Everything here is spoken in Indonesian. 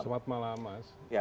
selamat malam mas